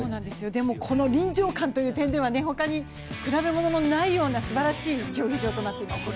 でもこの臨場感という点では他に比べものないようなすばらしい競技場となっています。